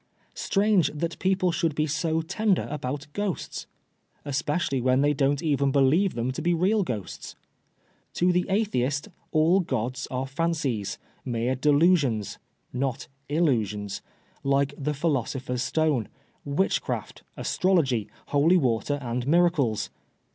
Strange that people should be so tender about ghosts ! Especially when they don't even believe them to be refd ghosts. To the Atheist all gods are fancies, mere delusions (not tUusions), like the philospher^s stone, witchcraft, astrology, holy water and miracles.